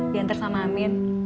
diantar sama amin